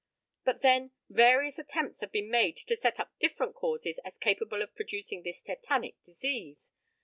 But, then, various attempts have been made to set up different causes as capable of producing this tetanic disease.